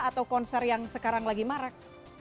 atau konser yang sekarang lagi marak